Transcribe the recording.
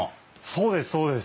そうですそうです！